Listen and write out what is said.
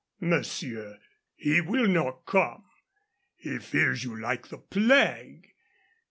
"Monsieur, he will not come. He fears you like the plague.